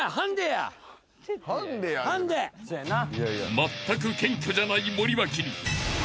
［まったく謙虚じゃない森脇に］